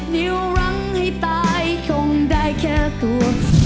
นิ้วหวังให้ตายคงได้แค่ควร